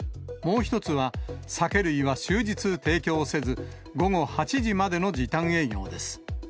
もう１つは、酒類は終日提供せず、午後８時までの時短営業です。